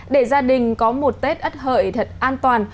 để gia đình có một tết ất hợi thật an toàn